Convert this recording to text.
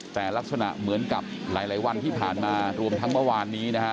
แต่ลักษณะเหมือนกับหลายวันที่ผ่านมารวมทั้งเมื่อวานนี้นะฮะ